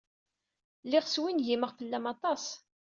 Lliɣ swingimeɣ fell-am aṭas.